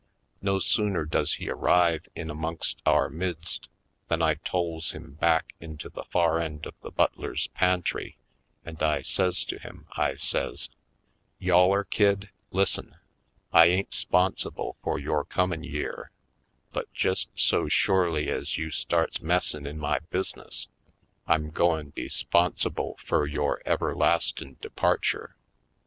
No sooner does he arrive in amongst our midst than I tolls him back into the far end of the butler's pantry and I says to him, I says: "Yaller kid, lis'sen: I ain't 'sponsible fur yore comin' yere, but jest so shorely ez you starts messin' in my bus'ness I'm goin' be 'sponsible fur yore everlastin' departure.